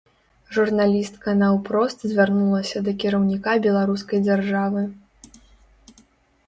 Журналістка наўпрост звярнулася да кіраўніка беларускай дзяржавы.